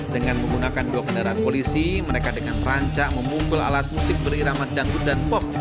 dengan menggunakan dua kendaraan polisi mereka dengan rancak memumpul alat musik beriraman dangdut dan pop